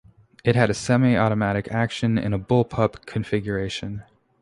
It had a semi-automatic action in a bullpup configuration.